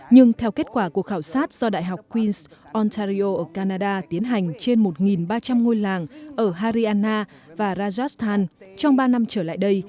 nhưng theo kết quả cuộc khảo sát do đại học queen s ontario ở canada tiến hành trên một ba trăm linh ngôi làng ở haryana và rajasthan trong ba năm trở lại đây